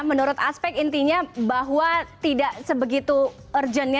menurut aspek intinya bahwa tidak sebegitu urgentnya